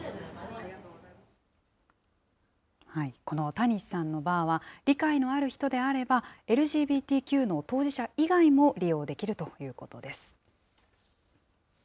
このたにしさんのバーは、理解のある人であれば、ＬＧＢＴＱの当事者以外も利用できるということです。